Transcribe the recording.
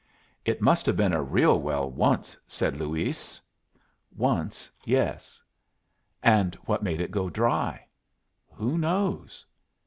"It must have been a real well once," said Luis. "Once, yes." "And what made it go dry?" "Who knows?"